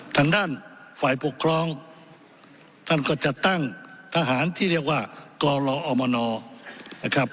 ทางด้านฝ่ายปกครองท่านก็จะตั้งทหารที่เรียกว่ากรออมนนะครับ